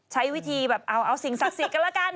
ใช้วิธีแบบเอาสิ่งศักดิ์สิทธิ์แล้วกัน